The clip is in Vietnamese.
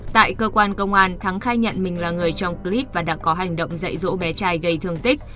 tại cơ quan công an thắng khai nhận mình là người trong clip và đã có hành động dạy dỗ bé trai gây thương tích